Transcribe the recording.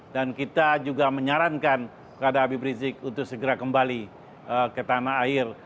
kita juga menyarankan pada habib rizik untuk segera kembali ke tanah air